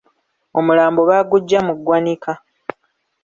Omulambo baaguggya mu ggwanika.